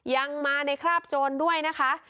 ยังมาในคราบโจรด้วยนะคะ